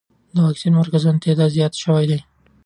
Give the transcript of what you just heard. د واکسین مرکزونو تعداد زیات شوی دی.